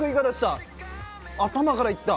頭から行った。